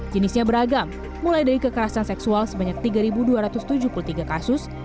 jenisnya beragam mulai dari kekerasan seksual sebanyak tiga dua ratus tujuh puluh tiga kasus